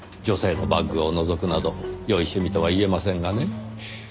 女性のバッグをのぞくなどよい趣味とは言えませんがね。